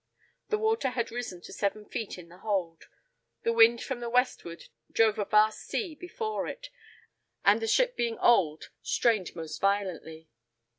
The water had risen to seven feet in the hold. The wind from the westward drove a vast sea before it, and the ship being old, strained most violently.